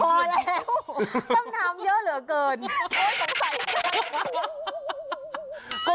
พอแล้วต้องทำเยอะเหลือเกินโอ้ยสงสัย